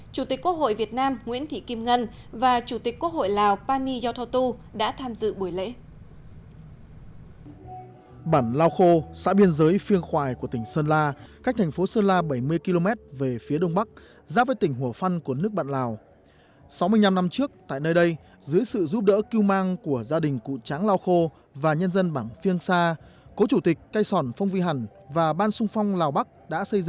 chủ tịch quốc hội việt nam nguyễn thị kim ngân và chủ tịch quốc hội lào pani yotho tu đã tham dự buổi lễ